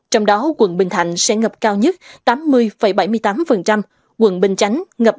trong đó quận bình thạnh sẽ ngập cao nhất tám mươi bảy mươi tám quận bình chánh ngập ba mươi sáu bốn mươi ba